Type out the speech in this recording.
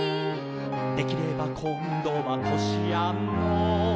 「できればこんどはこしあんの」